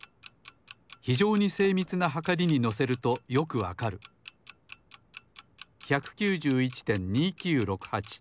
ひじょうにせいみつなはかりにのせるとよくわかる。１９１．２９６８。